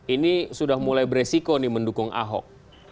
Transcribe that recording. ini sudah mulai beresiko nih mendukung ahok